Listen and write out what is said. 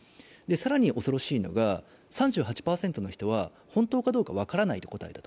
更に恐ろしいのが３８％の人は本当かどうか分からないと答えた。